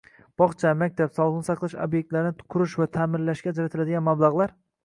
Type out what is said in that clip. bog‘cha, maktab, sog‘liqni saqlash obyektlarini qurish va ta’mirlashga ajratiladigan mablag‘lar